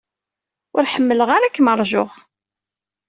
Ur ḥemmleɣ ara ad kem-ṛjuɣ.